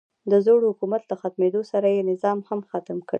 د زوړ حکومت له ختمېدو سره یې نظام هم ختم کړی.